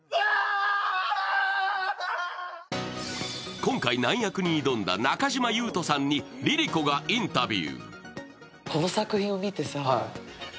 今回、難役に挑んだ中島裕翔さんにＬｉＬｉＣｏがインタビュー。